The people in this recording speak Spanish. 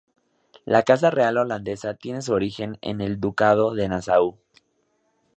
La Casa real holandesa tiene su origen en el Ducado de Nassau.